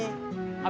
nomernya balik lagi